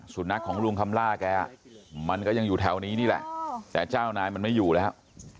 สุนัขของลุงคำล่าแกมันก็ยังอยู่แถวนี้นี่แหละแต่เจ้านายมันไม่อยู่แล้ว